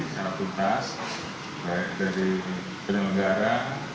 secara tuntas baik dari penyelenggara